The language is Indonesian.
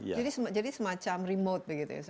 jadi semacam remote begitu ya